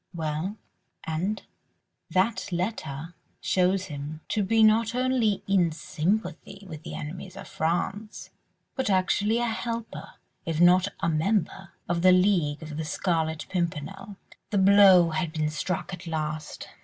"Well? And?" "That letter shows him to be not only in sympathy with the enemies of France, but actually a helper, if not a member, of the League of the Scarlet Pimpernel." The blow had been struck at last.